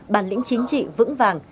bản lĩnh chính trị vững vàng